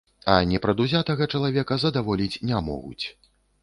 А непрадузятага чалавека задаволіць не могуць.